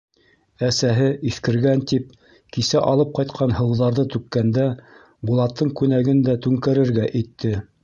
Әсәһе, иҫкергән, тип, кисә алып ҡайтҡан һыуҙарҙы түккәндә, Булаттың күнәген дә түңкәрергә итте.